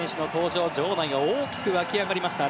場内が大きく沸き上がりました。